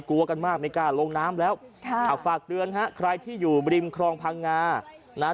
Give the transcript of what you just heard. กลัวกันมากไม่กล้าลงน้ำแล้วค่ะเอาฝากเตือนฮะใครที่อยู่บริมครองพังงานะฮะ